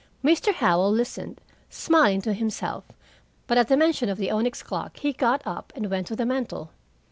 Mr. Howell listened, smiling to himself, but at the mention of the onyx clock he got up and went to the mantel.